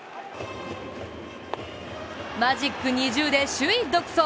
マジック２０で首位独走。